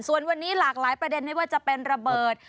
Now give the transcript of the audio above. ส่วนวันนี้หลากหลายประเด็นไม่ว่าจะเป็นระเบิด